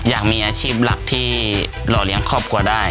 อยากมีอาชีพหลักที่หล่อเลี้ยงครอบครัวได้